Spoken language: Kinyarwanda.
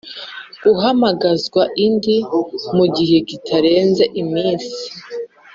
guhamagazwa indi mu gihe kitarenze iminsi